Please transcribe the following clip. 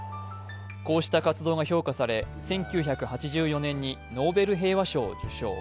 こうした活動が評価され、１９８４年にノーベル平和賞を受賞。